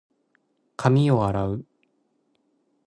髪を洗う。